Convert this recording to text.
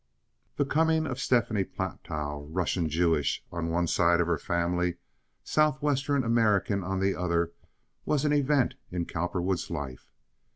The coming of Stephanie Platow, Russian Jewess on one side of her family, Southwestern American on the other, was an event in Cowperwood's life.